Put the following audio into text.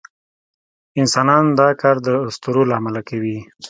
انسانان دا کار د اسطورو له امله کوي.